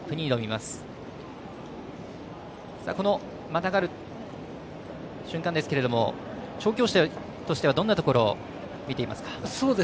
またがる瞬間ですけれども調教師としてはどんなところを見ていますか？